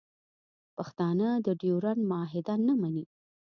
پښتانه د ډیورنډ معاهده نه مني